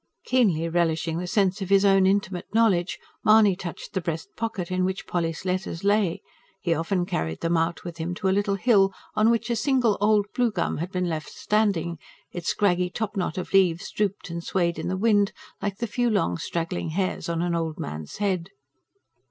Keenly relishing the sense of his own intimate knowledge, Mahony touched the breast pocket in which Polly's letters lay he often carried them out with him to a little hill, on which a single old blue gum had been left standing; its scraggy top knot of leaves drooped and swayed in the wind, like the few long straggling hairs on an old man's head.